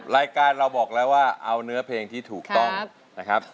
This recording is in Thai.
รายการเราบอกแล้วว่าเอาเนื้อเพลงที่ถูกต้องนะครับ